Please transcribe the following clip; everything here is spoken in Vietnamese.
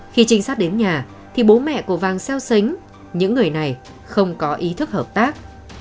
khi trinh sát đến nhà thì bố mẹ của vàng xeo xánh những người này không có ý thức hợp tác